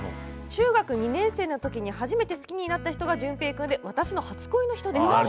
中学２年生のときに初めて好きになった人が淳平君で私の初恋の人です。